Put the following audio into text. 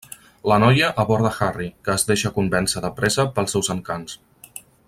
La noia aborda Harry, que es deixa convèncer de pressa pels seus encants.